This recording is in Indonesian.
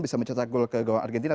bisa mencetak gol ke gol argentina